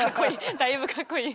だいぶかっこいい。